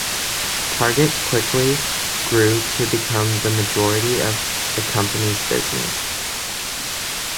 Target quickly grew to become the majority of the company's business.